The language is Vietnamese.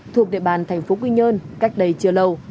thuộc địa bàn thành phố quy nhơn cách đây chưa lâu